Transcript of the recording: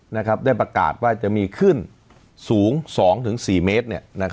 นะครับได้ประกาศว่าจะมีขึ้นสูงสองถึงสี่เมตร